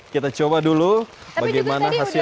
kita coba dulu bagaimana hasilnya